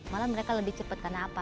malah mereka lebih cepat karena apa